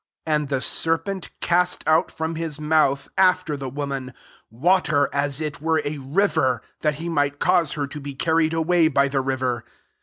15 And the serpent cast out from his mouth, after the wo man, water aa it were a liver, that he might cause her to be carried away by the river.